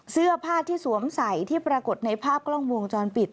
เสื้อผ้าที่สวมใส่ที่ปรากฏในภาพกล้องวงจรปิด